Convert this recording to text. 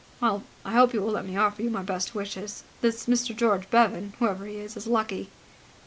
Well, I hope you will let me offer you my best wishes. This Mr. George Bevan, whoever he is, is lucky."